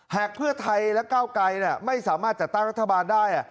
หากเพื่อไทยและก้าวไกรไม่สามารถจัดตั้งรัฐบาลได้